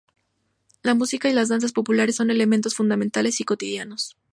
La música y las danzas populares son elementos fundamentales y cotidianos.